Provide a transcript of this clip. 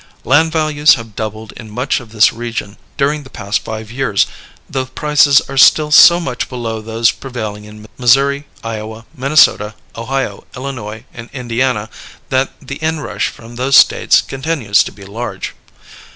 Land values have doubled in much of this region during the past five years; though prices are still so much below those prevailing in Missouri, Iowa, Minnesota, Ohio, Illinois, and Indiana that the inrush from those States continues to be large.